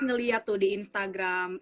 ngelihat tuh di instagram